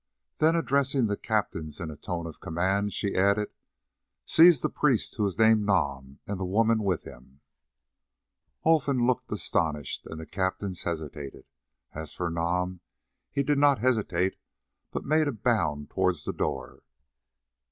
Then addressing the captains in a tone of command, she added, "Seize that priest who is named Nam, and the woman with him." Olfan looked astonished and the captains hesitated. As for Nam, he did not hesitate, but made a bound towards the door.